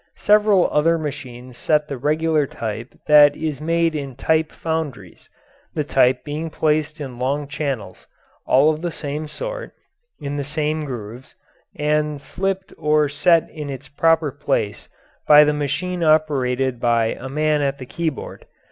Several other machines set the regular type that is made in type foundries, the type being placed in long channels, all of the same sort, in the same grooves, and slipped or set in its proper place by the machine operated by a man at the keyboard.